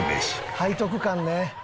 背徳感ね。